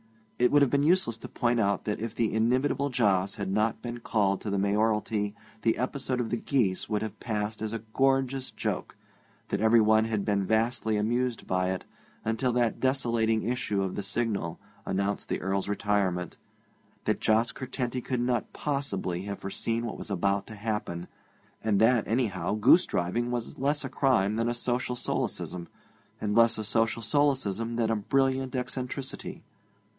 It would have been useless to point out that if the inimitable Jos had not been called to the mayoralty the episode of the geese would have passed as a gorgeous joke; that everyone had been vastly amused by it until that desolating issue of the Signal announced the Earl's retirement; that Jos Curtenty could not possibly have foreseen what was about to happen; and that, anyhow, goosedriving was less a crime than a social solecism, and less a social solecism than a brilliant eccentricity.